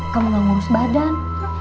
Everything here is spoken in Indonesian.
kamu nggak ngurus badan